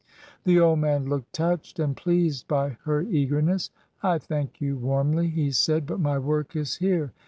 The old man looked touched and pleased by her eagerness. "I thank you warmly," he said, "but my work is here.